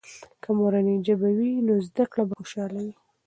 که مورنۍ ژبه وي، نو زده کړه به خوشحاله وي.